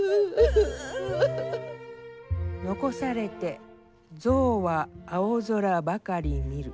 「遺されて象は青空ばかり見る」。